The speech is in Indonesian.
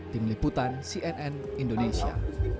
tim liputan cnn indonesia